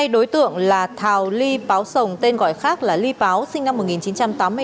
hai đối tượng là thào ly páo sồng tên gọi khác là ly páo sinh năm một nghìn chín trăm tám mươi bốn